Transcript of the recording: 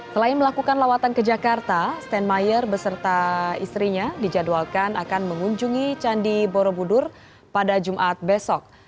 selain melakukan lawatan ke jakarta steinmeyer beserta istrinya dijadwalkan akan mengunjungi candi borobudur pada jumat besok